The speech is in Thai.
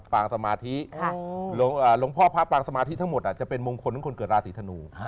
สมาธิหลวงพ่อพระปางสมาธิทั้งหมดจะเป็นมงคลของคนเกิดราศีธนู